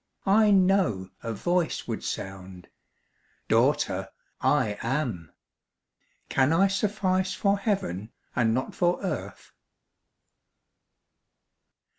I know a Voice would sound, " Daughter, I AM. Can I suffice for Heaven, and not for earth